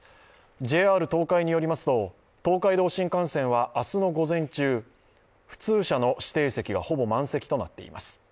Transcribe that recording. ＪＲ東海によりますと、東海道新幹線は明日の午前中普通車の指定席がほぼ満席となっています。